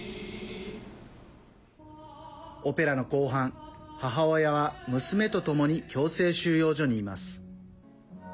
オペラの後半、母親は娘とともに強制収容所にいます。